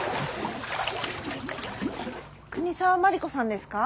国沢真理子さんですか？